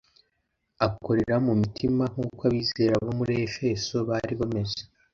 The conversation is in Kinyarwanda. akorera mu mitima nk’uko abizera bo muri Efeso bari bameze,